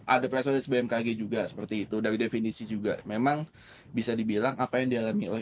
ada pressues bmkg juga seperti itu dari definisi juga memang bisa dibilang apa yang dialami oleh